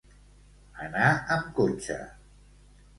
Anar amb cotxe.